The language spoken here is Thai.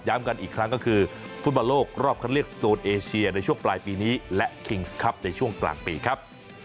กันอีกครั้งก็คือฟุตบอลโลกรอบคัดเลือกโซนเอเชียในช่วงปลายปีนี้และคิงส์ครับในช่วงกลางปีครับ